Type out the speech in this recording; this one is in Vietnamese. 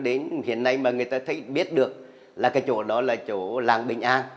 đó là chỗ làng bình an